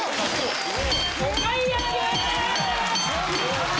お買い上げ！